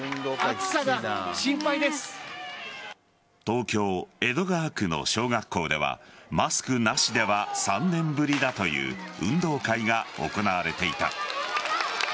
東京・江戸川区の小学校ではマスクなしでは３年ぶりだという運動会が行われていた。